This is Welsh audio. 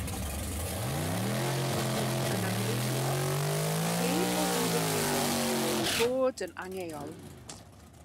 Mae achosion yn amrywio o heb fod yn ddifrifol i fod yn angheuol.